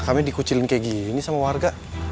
kami dikucilin kayak gini sama warga